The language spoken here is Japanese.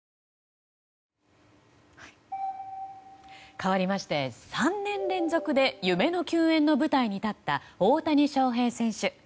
かわりまして３年連続で夢の球宴の舞台に立った大谷翔平選手。